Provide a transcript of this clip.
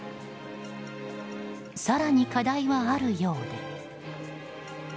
更に課題はあるようで。